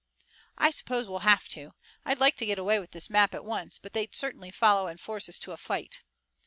"I suppose we'll have to. I'd like to get away with this map at once, but they'd certainly follow and force us to a fight."